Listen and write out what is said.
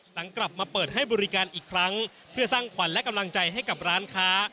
หลังกลับมาเปิดให้บริการอีกครั้งเพื่อสร้างขวัญและกำลังใจให้กับร้านค้า